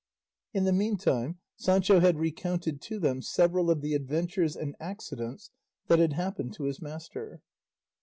In the meantime Sancho had recounted to them several of the adventures and accidents that had happened his master.